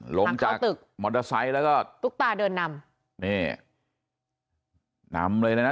ลงจากตึกมอเตอร์ไซค์แล้วก็ตุ๊กตาเดินนำนี่นำเลยเลยนะ